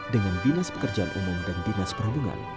dengan binas pekerjaan umum dan binas perhubungan